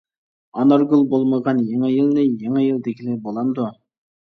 ئانارگۈل بولمىغان يېڭى يىلنى يېڭى يىل دېگىلى بولامدۇ.